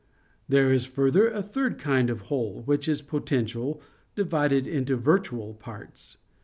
There is, further, a third kind of whole which is potential, divided into virtual parts.